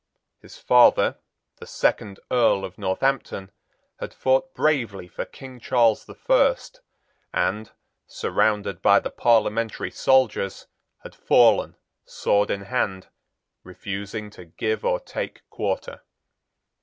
His father, the second Earl of Northampton, had fought bravely for King Charles the First, and, surrounded by the parliamentary soldiers, had fallen, sword in hand, refusing to give or take quarter.